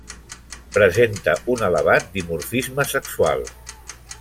Presenta un elevat dimorfisme sexual.